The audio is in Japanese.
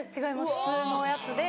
普通のやつで。